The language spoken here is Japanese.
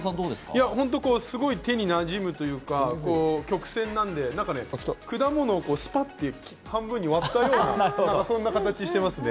すごい手になじむというか、曲線なので果物をスパッと半分に割ったようなそんな形をしていますね。